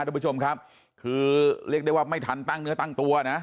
ทุกผู้ชมครับคือเรียกได้ว่าไม่ทันตั้งเนื้อตั้งตัวนะ